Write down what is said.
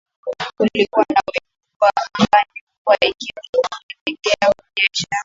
Kulikuwa na wingu kubwa angani mvua ikielekea kunyesha